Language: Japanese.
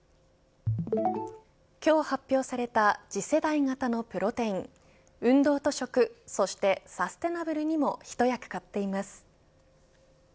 今日発表された次世代型のプロテイン運動と食、そしてサステナブルにも一役買っています。